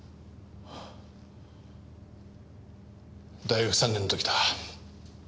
大学３年の時だ。